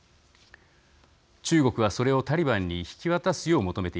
中国はそれをタリバンに引き渡すよう求めているのです。